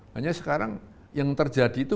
hanya sekarang yang terjadi itu